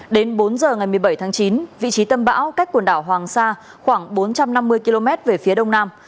đến bốn giờ ngày một mươi bảy tháng chín vị trí tâm bão cách quần đảo hoàng sa khoảng bốn trăm năm mươi km về phía đông nam